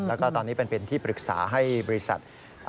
แล้วก็ตอนนี้เป็นที่ปรึกษาให้บริษัท